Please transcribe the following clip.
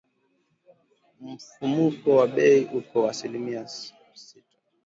Mfumuko wa bei uko asilimia sita.